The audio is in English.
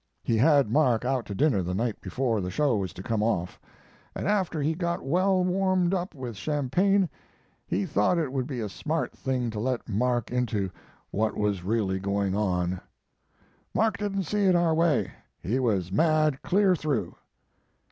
He had Mark out to dinner the night before the show was to come off, and after he got well warmed up with champagne he thought it would be a smart thing to let Mark into what was really going on. "Mark didn't see it our way. He was mad clear through."